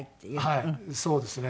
はいそうですね。